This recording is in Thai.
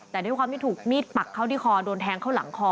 แต่ด้วยความที่ถูกมีดปักเข้าที่คอโดนแทงเข้าหลังคอ